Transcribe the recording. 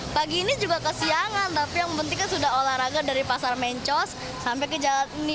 pagi ini juga ke siangan tapi yang pentingnya sudah olahraga dari pasar mencos sampai ke jalan ini